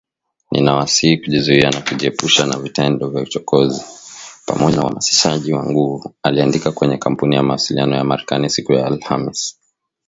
Ninawasihi kujizuia na kujiepusha na vitendo vya uchokozi, pamoja na uhamasishaji wa nguvu aliandika kwenye Kampuni ya mawasiliano ya Marekani siku ya Alhamis